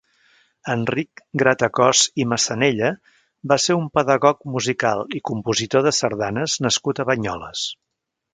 Enric Gratacòs i Massanella va ser un pedagog musical i compositor de sardanes nascut a Banyoles.